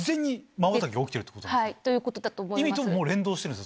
ということだと思います。